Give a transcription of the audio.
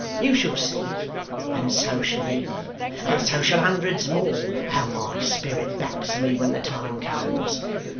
You shall see, and so shall he, and so shall hundreds more, how my spirit backs me when the time comes.